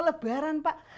kalau lebaran pak